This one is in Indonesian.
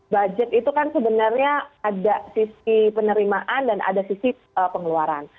budget itu kan sebenarnya ada sisi penerimaan dan ada sisi pengeluaran